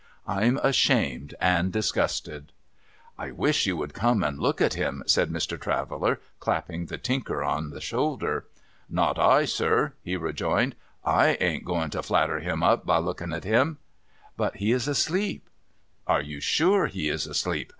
I'm ashamed and disgusted !'' I wish you would come and look at him,' said Mr. Traveller, clapping the Tinker on the shoulder. ' Not I, sir,' he rejoined, '/ain't a going to flatter him up by looking at him !'' But he is asleep.* ' Are you sure he is asleep ?